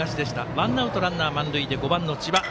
ワンアウト、満塁で５番の千葉。